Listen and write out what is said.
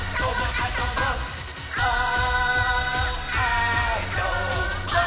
「あそぼー！」